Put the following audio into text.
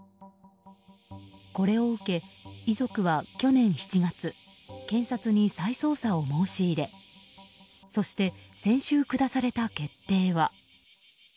これを受け、遺族は去年７月検察に再捜査を申し入れそして先週下された決定は。